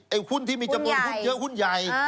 หุ้นที่มีจำนวนหุ้นเยอะหุ้นใหญ่